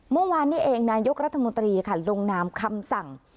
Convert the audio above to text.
เมื่อวานนี้เองนายกรัฐมนตรีค่ะลงนามคำสั่ง